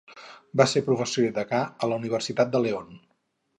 Va ser professor i degà a la Universitat de León.